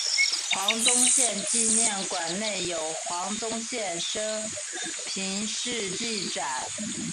黄遵宪纪念馆内有黄遵宪生平事迹展。